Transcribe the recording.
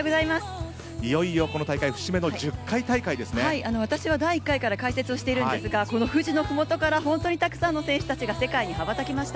いよいよ、この大会私は第１回から解説をしていますが富士の麓からたくさんの選手たちが世界に羽ばたきました。